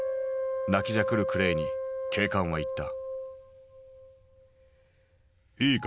泣きじゃくるクレイに警官は言った。